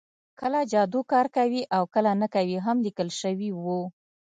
کله جادو کار کوي او کله نه کوي هم لیکل شوي وو